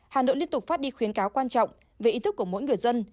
hà nội liên tục phát đi khuyến cáo quan trọng về ý thức của mỗi người dân